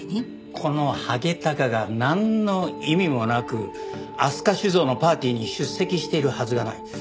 このハゲタカがなんの意味もなく飛鳥酒造のパーティーに出席しているはずがない。